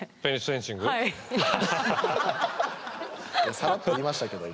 さらっと言いましたけど今。